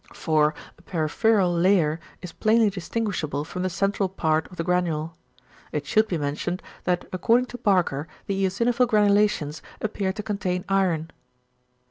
For a peripheral layer is plainly distinguishable from the central part of the granule. It should be mentioned that according to Barker the eosinophil granulations appear to contain iron.